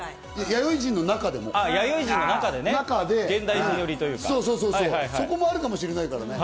弥生人の中でも、現代人寄りというか、そこもあるかもしれないからね。